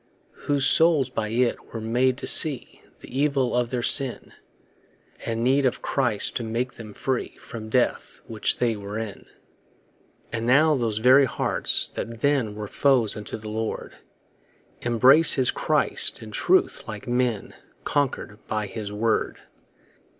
Whose souls by it were made to see The evil of their sin; And need of Christ to make them free From death, which they were in. And now those very hearts that then Were foes unto the Lord, Embrace his Christ and truth, like men Conquer'd by his word.